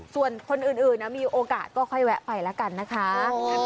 ส่วนคนอื่นมีโอกาสก็ค่อยแวะไปแล้วกันนะคะ